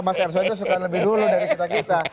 mas ersojo suka lebih dulu dari kita kita